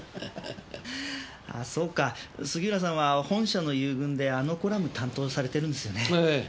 あぁそうか杉浦さんは本社の遊軍であのコラム担当されてるんですよね。